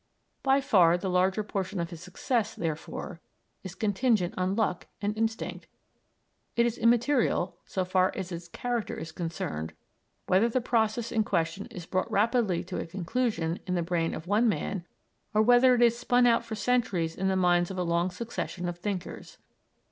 By far the larger portion of his success, therefore, is contingent on luck and instinct. It is immaterial, so far as its character is concerned, whether the process in question is brought rapidly to a conclusion in the brain of one man, or whether it is spun out for centuries in the minds of a long succession of thinkers.